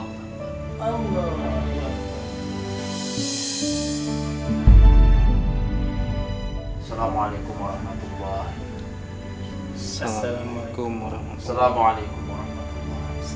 assalamualaikum warahmatullahi wabarakatuh